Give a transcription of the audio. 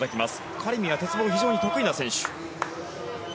カリミは鉄棒が非常に得意な選手。